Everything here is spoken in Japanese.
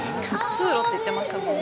通路って言ってましたもんね。